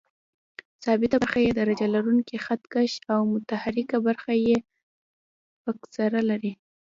ثابته برخه یې درجه لرونکی خط کش او متحرکه برخه یې فکسره لري.